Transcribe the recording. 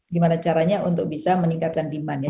gimana caranya untuk bisa meningkatkan demand ya